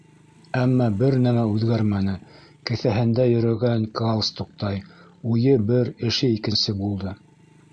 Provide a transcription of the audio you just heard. Әммә бер нәмә үҙгәрмәне: кеҫәһендә йөрөгән галстуктай, уйы - бер, эше икенсе булды.